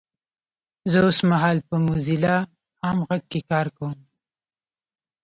زه اوسمهال په موځیلا عام غږ کې کار کوم 😊!